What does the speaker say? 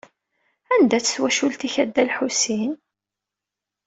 Anda-tt twacult-ik a Dda Lḥusin?